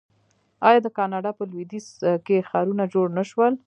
آیا د کاناډا په لویدیځ کې ښارونه جوړ نشول؟